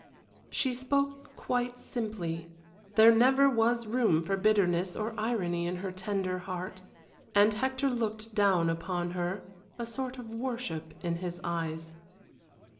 She spoke quite simply. There never was room for bitterness or irony in her tender heart. And Hector looked down upon her, a sort of worship in his eyes.